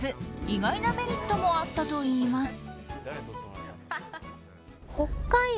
意外なメリットもあったといいます。